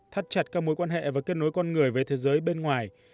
thắt chặt các mối quan hệ và kết nối con người với thế giới bên ngoài